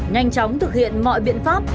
nhanh chóng thực hiện mọi biện pháp